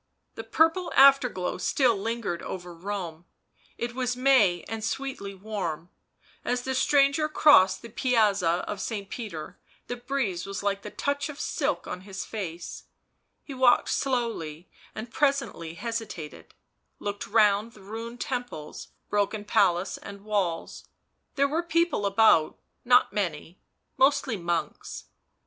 The purple after glow still lingered over Rome; it was May and sweetly warm; as the stranger crossed the Piazza of St. Peter the breeze was like the touch of silk on his face; he walked slowly and presently hesitated, looked round the ruined temples, broken palace and walls; there were people about, not many, mostly monks.